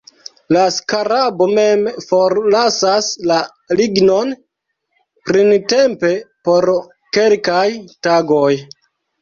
La skarabo mem forlasas la lignon printempe por kelkaj tagoj.